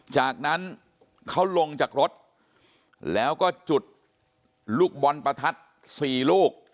จากนั้นเขาลงจากรถแล้วก็จุดลูกบอลประทัด๔ลูก